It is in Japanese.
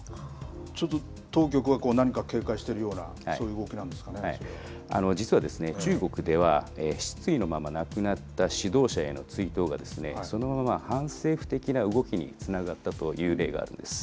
ちょっと当局は何か警戒しているような、そういう動きなんで実は中国では、失意のまま亡くなった指導者への追悼が、そのまま反政府的な動きにつながったという例があるんです。